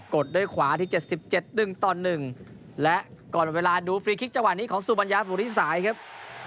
ดด้วยขวาที่๗๗๑ต่อ๑และก่อนเวลาดูฟรีคลิกจังหวะนี้ของสุบัญญาบุริสายครับ